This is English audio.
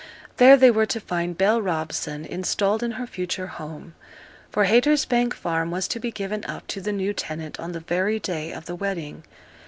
There they were to find Bell Robson installed in her future home; for Haytersbank Farm was to be given up to the new tenant on the very day of the wedding.